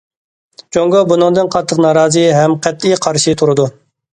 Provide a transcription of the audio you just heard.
جۇڭگو بۇنىڭدىن قاتتىق نارازى ھەم قەتئىي قارشى تۇرىدۇ.